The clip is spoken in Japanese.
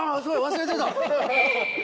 忘れてた！